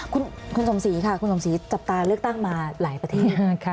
คุณสมศรีค่ะคุณสมศรีจับตาเลือกตั้งมาหลายประเทศมากค่ะ